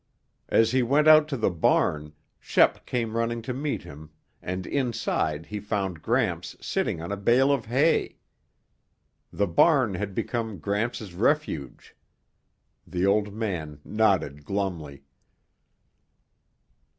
As he went out to the barn, Shep came running to meet him and inside he found Gramps sitting on a bale of hay. The barn had become Gramps' refuge. The old man nodded glumly.